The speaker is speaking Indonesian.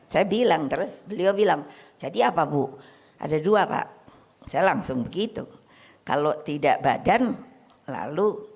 saya bilang terus beliau bilang jadi apa bu ada dua pak saya langsung begitu kalau tidak badan lalu